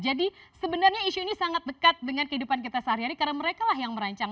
jadi sebenarnya isu ini sangat dekat dengan kehidupan kita sehari hari karena mereka yang merancang